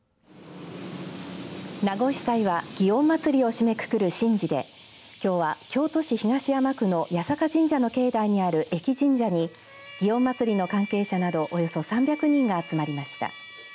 夏越祭は祇園祭を締めくくる神事できょうは京都市東山区の八坂神社の境内にある疫神社に祇園祭の関係者などおよそ３００人が集まりました。